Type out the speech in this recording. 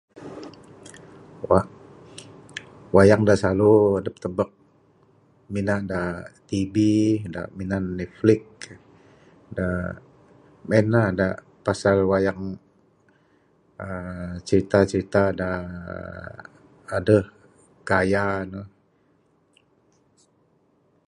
uhh wayang da silalu adep tubek minan da tv da minan Netflix da meng en la da pasal wayang uhh crita crita da adeh gaya ne.